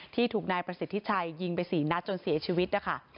ที่ถูกนายประสิทธิชัยยิงไป๔นัดจนเสียชีวิตนะคะ